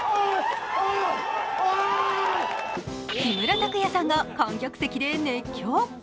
木村拓哉さんが観客席で熱狂。